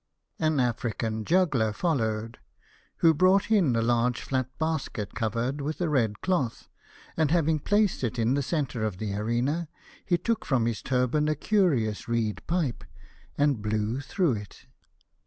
. An African juggler followed, who brought in a large flat basket covered with a red cloth, and having placed it in the centre of the arena, he took from his turban a curious reed pipe, and blew through it.